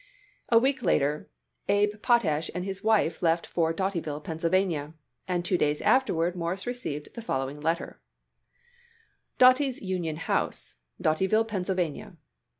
A week later Abe Potash and his wife left for Dotyville, Pennsylvania, and two days afterward Morris received the following letter: DOTY'S UNION HOUSE, Dotyville, Pennsylvania.